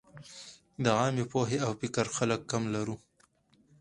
د عامې پوهې او فکر خلک کم لرو.